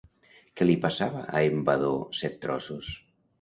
Què li passava a en Vadó Set-trossos?